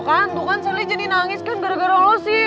kan tuh kan sally jadi nangis kan gara gara lo sih